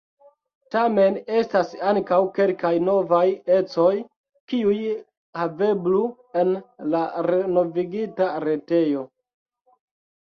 Tamen estas ankaŭ kelkaj novaj ecoj, kiuj haveblu en la renovigita retejo.